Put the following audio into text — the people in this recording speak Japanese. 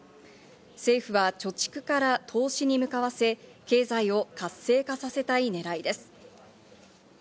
政府は貯蓄から投資に向かわせ、経済を活性化させたいねらいです。